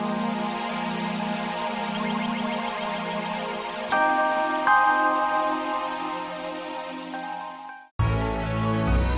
iya di kamarnya mami